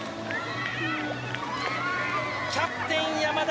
キャプテン、山田